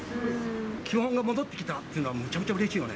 基本が戻ってきたというのは、めちゃめちゃうれしいよね。